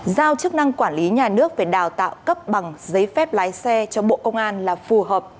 giao chức năng quản lý nhà nước về đào tạo cấp bằng giấy phép lái xe cho bộ công an là phù hợp